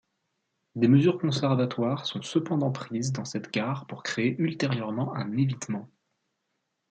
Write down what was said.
Des mesures conservatoires sont cependant prises dans cette gare pour créer ultérieurement un évitement.